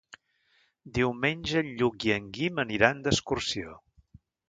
Diumenge en Lluc i en Guim aniran d'excursió.